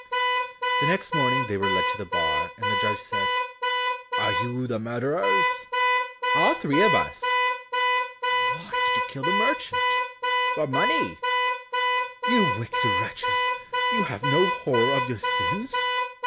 The next morning they were led to the bar, and the judge said, "Are you the murderers?" "All three of us." "Why did you kill the merchant?" "For money." "You wicked wretches, you have no horror of your sins?"